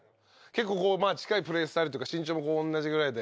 結構近いプレースタイルとか身長も同じぐらいで。